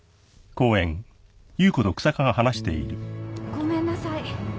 ごめんなさい。